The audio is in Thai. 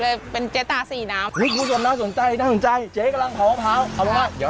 โอ๊ยน้ำมะพร้าว